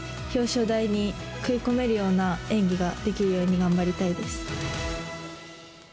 表彰台に食い込めるような演技ができるように頑張りたいです。